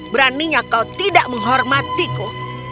beraninya kau tidak menghormatiku